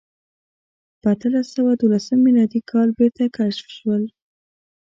په اتلس سوه دولسم میلادي کال بېرته کشف شول.